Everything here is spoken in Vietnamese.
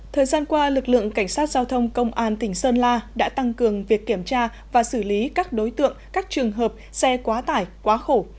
thời gian qua lực lượng cảnh sát giao thông công an tỉnh sơn la đã tăng cường việc kiểm tra và xử lý các đối tượng các trường hợp xe quá tải quá khổ